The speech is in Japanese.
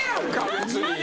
別に。